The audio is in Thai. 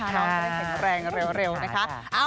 น้องจะได้แข็งแรงเร็วนะคะ